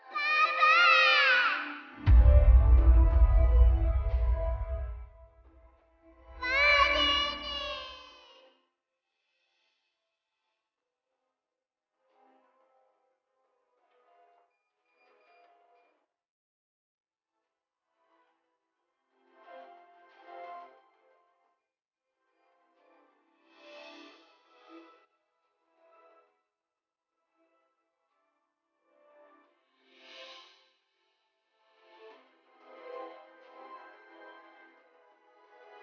keselambaan memang website ini seperti menggunakan ini